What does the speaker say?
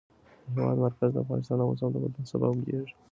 د هېواد مرکز د افغانستان د موسم د بدلون سبب کېږي.